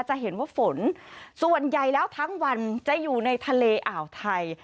จะเห็นว่าฝนส่วนใหญ่แล้วทั้งวันจะอยู่ในทะเลอ่าวไทย